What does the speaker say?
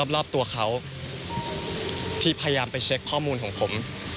รอบตัวเขาที่พยายามไปเช็คข้อมูลของผม